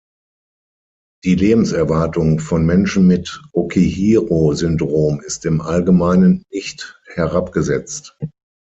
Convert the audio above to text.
Die Lebenserwartung von Menschen mit Okihiro-Syndrom ist im Allgemeinen nicht herabgesetzt.